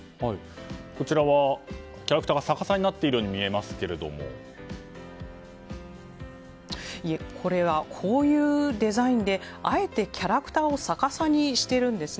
こちらはキャラクターが逆さまになっているようにこれはこういうデザインであえてキャラクターを逆さにしているんです。